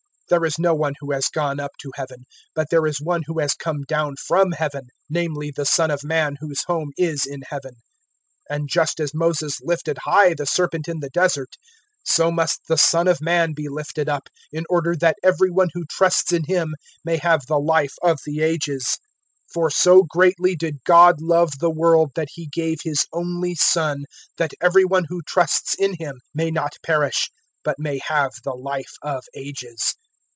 003:013 There is no one who has gone up to Heaven, but there is One who has come down from Heaven, namely the Son of Man whose home is in Heaven. 003:014 And just as Moses lifted high the serpent in the Desert, so must the Son of Man be lifted up, 003:015 in order that every one who trusts in Him may have the Life of the Ages." 003:016 For so greatly did God love the world that He gave His only Son, that every one who trusts in Him may not perish but may have the Life of Ages.